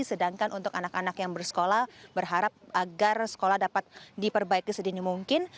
sedangkan untuk anak anak yang bersekolah berharap agar sekolah dapat diperbaiki sedini mungkin